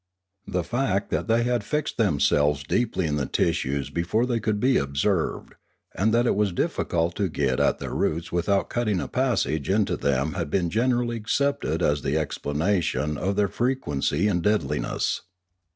The fact that they had fixed themselves deeply in the tissues before they could be observed, and that it was difficult to get at their roots without cutting a passage in to them had been generally accepted as the explanation of their fre quency and deadliness.